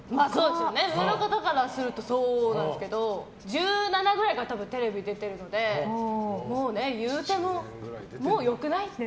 上の方からするとそうなんですけど１７ぐらいから多分、テレビ出ているので言うても、もう良くない？って。